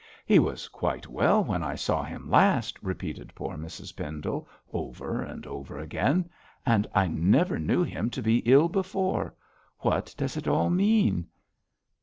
'He was quite well when I saw him last,' repeated poor Mrs Pendle over and over again. 'And I never knew him to be ill before. What does it all mean?'